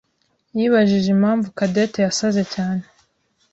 yibajije impamvu Cadette yasaze cyane.